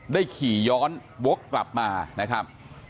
ขี่ย้อนวกกลับมานะครับ